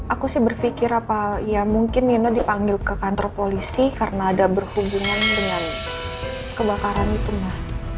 aku sih berpikir apa ya mungkin nino dipanggil ke kantor polisi karena ada berhubungan dengan kebakaran itu mbak